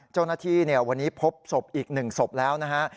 เจ้าหน้าที่วันนี้พบศพอีก๑ศพแล้วนะฮะ